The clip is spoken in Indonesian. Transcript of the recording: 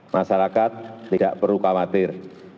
masyarakat tidak perlu khawatir